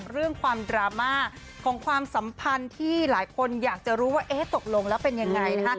เรื่องความดราม่าของความสัมพันธ์ที่หลายคนอยากจะรู้ว่าเอ๊ะตกลงแล้วเป็นยังไงนะคะ